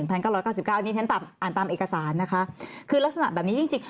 อันนี้ฉันตามอ่านตามเอกสารนะคะคือลักษณะแบบนี้จริงจริง